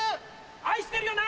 愛してるよな？